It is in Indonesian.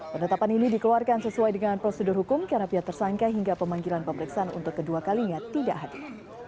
penetapan ini dikeluarkan sesuai dengan prosedur hukum karena pihak tersangka hingga pemanggilan pemeriksaan untuk kedua kalinya tidak hadir